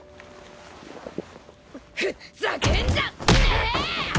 ふっざけんじゃねえ！